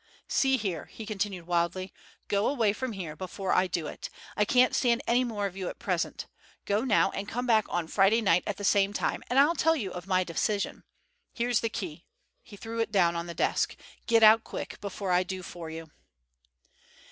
"See here," he continued wildly, "go away from here before I do it. I can't stand any more of you at present. Go now and come back on Friday night at the same time, and I'll tell you of my decision. Here's the key," he threw it down on the desk. "Get out quick before I do for you!"